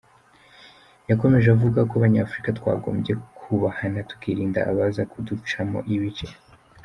Yakomeje avuga ko "Abanyafurika twagombye kubahana tukirinda abaza kuducamo ibice.